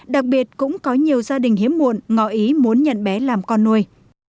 đặc biệt cũng có nhiều gia đình hiếm muộn ngọ ý muốn nhận bé làm con nuôi